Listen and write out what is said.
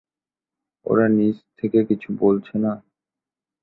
ওরা নিজ থেকে কিছু বলছে না?